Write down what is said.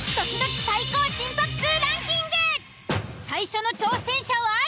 最初の挑戦者は？